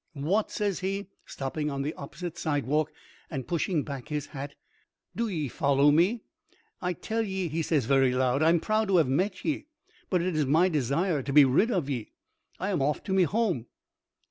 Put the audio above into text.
"What!" says he, stopping on the opposite sidewalk and pushing back his hat; "do ye follow me? I tell ye," he says, very loud, "I'm proud to have met ye. But it is my desire to be rid of ye. I am off to me home."